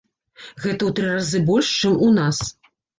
Гэта ў тры разы больш, чым у нас.